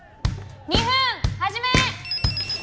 ２分始め！